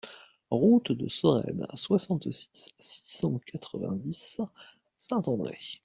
Route de Sorède, soixante-six, six cent quatre-vingt-dix Saint-André